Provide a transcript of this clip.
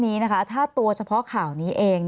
มีความรู้สึกว่ามีความรู้สึกว่า